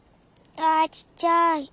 あちっちゃい。